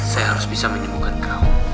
saya harus bisa menyembuhkan kau